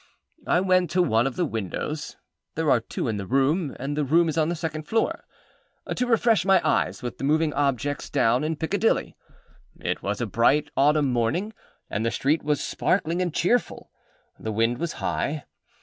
I went to one of the windows (there are two in the room, and the room is on the second floor) to refresh my eyes with the moving objects down in Piccadilly. It was a bright autumn morning, and the street was sparkling and cheerful. The wind was high.